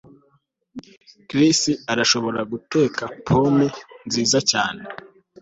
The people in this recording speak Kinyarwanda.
Chris arashobora guteka pome nziza cyane